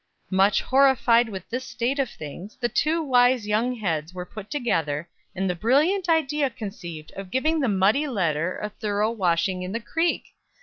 Much horrified with this state of things, the two wise young heads were put together, and the brilliant idea conceived of giving the muddy letter a thorough washing in the creek!